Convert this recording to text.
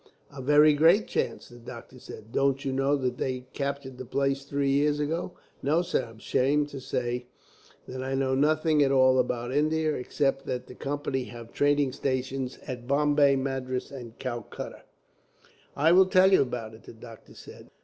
"A very great chance," the doctor said. "Don't you know that they captured the place three years ago?" "No, sir; I'm ashamed to say that I know nothing at all about India, except that the Company have trading stations at Bombay, Madras, and Calcutta." "I will tell you about it," the doctor said.